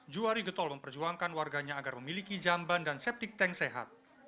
juwari getol memperjuangkan warganya agar memiliki jamban dan septic tank sehat